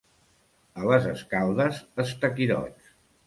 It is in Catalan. A les Escaldes, estaquirots.